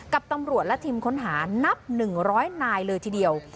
กับตำรวจและทีมค้นหานับ๑๐๐นายเลยทีเดียว